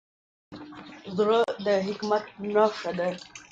زړه د حکمت نښه ده.